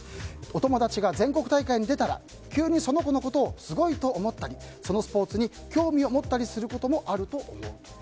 お友達が全国大会に出たら急にその子のことをすごいと思ったりそのスポーツに興味を持ったりすることもあると思うと。